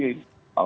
kalau tidak ada